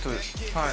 はい。